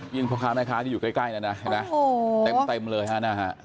ยินพอครับแม่ค้าที่อยู่ใกล้นะนะเห็นไหมโอ้โหเต็มเลยค่ะหน้าค่ะ